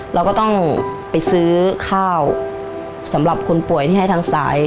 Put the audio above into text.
เราก็ต้องไปซื้อข้าวสำหรับคนป่วยที่ให้ทางสาย